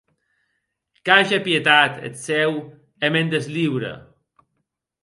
Qu’age pietat eth cèu e me’n desliure!